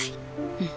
うん。